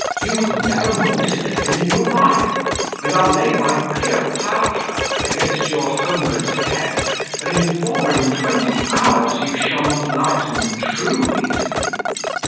you was never more mistaken in your life; and I'll lay my Cleopatra against your Homer's head, that in four and twenty hours you shan't light on the true reason."